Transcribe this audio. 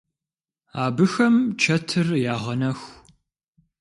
Абыхэм чэтыр ягъэнэху.